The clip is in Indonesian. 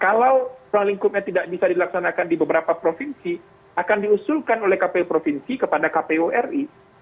kalau ruang lingkupnya tidak bisa dilaksanakan di beberapa provinsi akan diusulkan oleh kpu provinsi kepada kpu ri